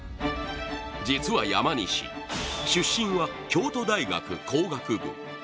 実は山西、出身は京都大学工学部。